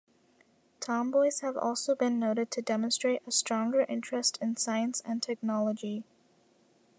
Tomboys have also been noted to demonstrate a stronger interest in science and technology.